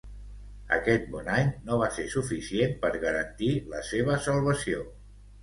Aquest bon any no va ser suficient per garantir la seva salvació.